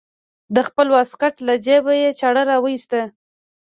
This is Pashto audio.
د خپل واسکټ له جيبه يې چاړه راوايسته.